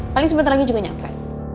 paling sebentar lagi juga nyampe